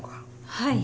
はい。